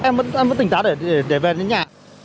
em vẫn tỉnh tá để về đến nhà